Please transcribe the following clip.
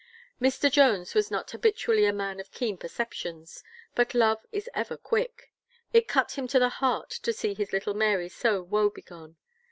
Mr. Jones was not habitually a man of keen perceptions, but love is ever quick. It cut him to the heart to see his little Mary so woebegone.